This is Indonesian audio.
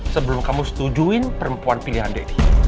sebelum kamu setujuin perempuan pilihan deddy